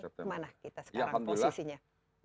kemana kita sekarang posisinya